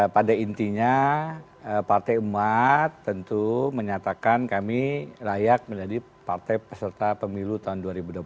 pada intinya partai umat tentu menyatakan kami layak menjadi partai peserta pemilu tahun dua ribu dua puluh empat